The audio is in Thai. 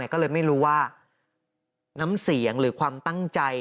ก็เลยไม่รู้ว่าน้ำเสียงหรือความตั้งใจ